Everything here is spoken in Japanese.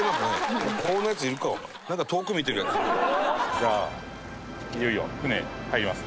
じゃあいよいよ船入ります。